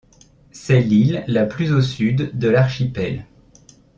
C'est l'île la plus au sud de l'archipel.